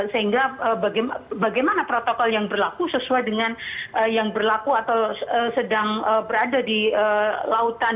sehingga bagaimana protokol yang berlaku sesuai dengan yang berlaku atau sedang berada di lautan